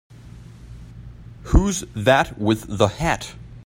Who's that with the hat?